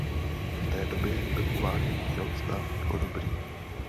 V té době byl uváděn jeho stav jako dobrý.